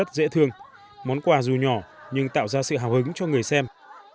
con heo đắt rất dễ thương món quà dù nhỏ nhưng tạo ra sự hào hứng cho người xem